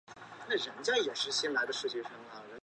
环形真绥螨为植绥螨科真绥螨属下的一个种。